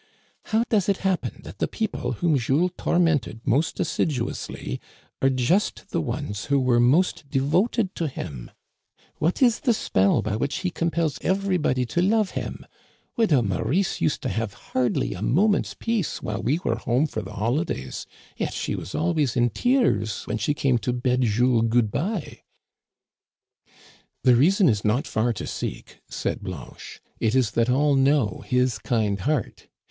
How does it happen that the people whom Jules tormented most assiduously are just the ones who were most devoted to him ? What is the spell by which he compels everybody to love him ? Widow Maurice used to have hardly a moment's peace while we were home for the holidays ; yet she was always in tears when she came to bid Jules good by." " The reason is not far to seek," said Blanche. " It is that all know his kind heart.